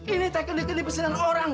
ini keni keni pesanan orang